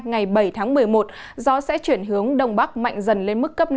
ngày bảy tháng một mươi một gió sẽ chuyển hướng đông bắc mạnh dần lên mức cấp năm